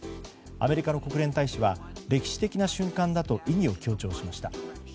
アメリカの国連大使は歴史的な瞬間だと意義を強調しました。